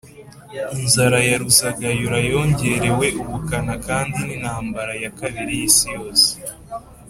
Inzara ya Ruzagayura yongerewe ubukana kandi n’intambara ya kabiri y’isi yose